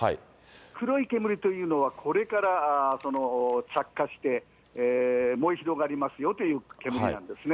黒い煙というのは、これから着火して、燃え広がりますよという煙なんですね。